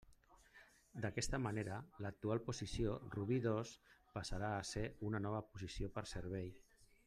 D'aquesta manera, l'actual posició Rubí dos passarà a ser una nova posició per servei.